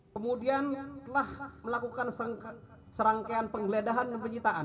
kemudian telah melakukan serangkaian penggeledahan dan penyitaan